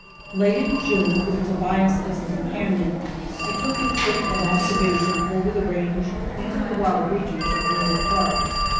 Late in June, with Tobias as a companion, I took a trip of observation over the range into the wild regions of Middle park.